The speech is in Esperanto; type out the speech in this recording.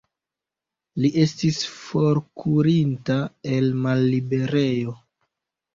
Li estis forkurinta el malliberejo.